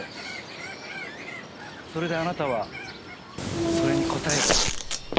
それであなたはそれに応えた。